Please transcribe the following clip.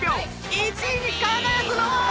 １位に輝くのは？